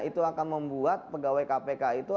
itu akan membuat pegawai kpk itu